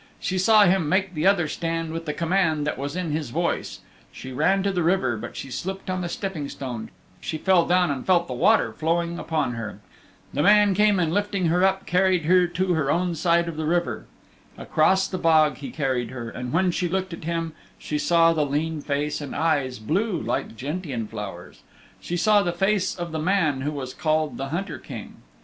She saw him make the other stand with the command that was in his voice. She ran to the river, but she slipped on the stepping stones; she fell down and she felt the water flowing upon her. The man came and lifting her up carried her to her own side of the river. Across the bog he carried her, and when she looked at him she saw the lean face and eyes blue like gentian flowers she saw the face of the man who was called the Hunter King.